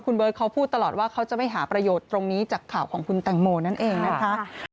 คุณเบิร์ตเขาพูดตลอดว่าเขาจะไม่หาประโยชน์ตรงนี้จากข่าวของคุณแตงโมนั่นเองนะคะ